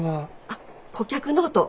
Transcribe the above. あっ顧客ノート。